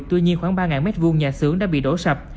tuy nhiên khoảng ba ngàn mét vuông nhà xướng đã bị đổ sập